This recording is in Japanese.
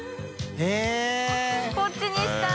─舛叩こっちにしたい！